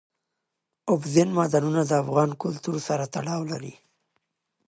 اوبزین معدنونه د افغان کلتور سره تړاو لري.